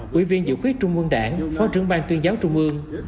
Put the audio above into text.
quý viên dự khuyết trung mương đảng phó trưởng bang tuyên giáo trung mương